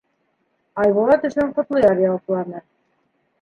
Айбулат өсөн Ҡотлояр яуапланы: